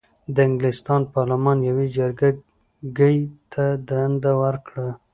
د انګلستان پارلمان یوې جرګه ګۍ ته دنده ورکړه.